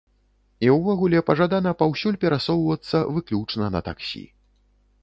І ўвогуле, пажадана паўсюль перасоўвацца выключна на таксі.